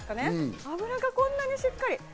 脂がこんなにしっかり。